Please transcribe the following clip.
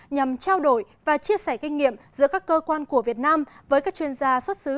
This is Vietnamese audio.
nhằm trao đổi và chia sẻ kinh nghiệm giữa các cơ quan của việt nam với các chuyên gia xuất xứ